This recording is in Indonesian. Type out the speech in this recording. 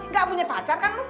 nggak punya pacar kan